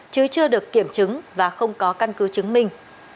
chứ chưa được kiểm chứng và không có căn cứ chứng minh